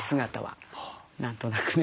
何となくね。